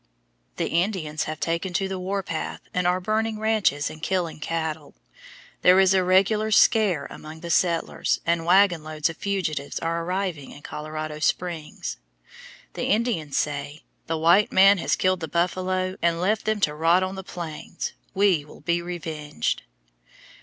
The Indians have taken to the "war path," and are burning ranches and killing cattle. There is a regular "scare" among the settlers, and wagon loads of fugitives are arriving in Colorado Springs. The Indians say, "The white man has killed the buffalo and left them to rot on the plains. We will be revenged."